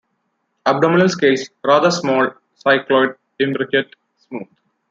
Abdominal scales rather small, cycloid, imbricate, smooth.